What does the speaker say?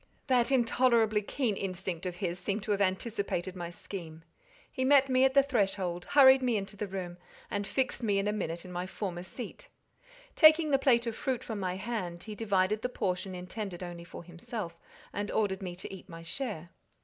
That intolerably keen instinct of his seemed to have anticipated my scheme: he met me at the threshold, hurried me into the room, and fixed me in a minute in my former seat. Taking the plate of fruit from my hand, he divided the portion intended only for himself, and ordered me to eat my share.